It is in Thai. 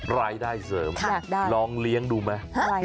รายได้เสริมลองเลี้ยงดูมั้ย